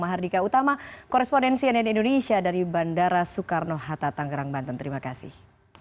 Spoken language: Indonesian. mahardika utama korespondensi nn indonesia dari bandara soekarno hatta tanggerang banten terima kasih